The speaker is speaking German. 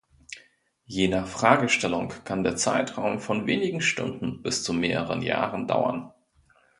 Je nach Fragestellung kann der Zeitraum von wenigen Stunden bis zu mehreren Jahren dauern.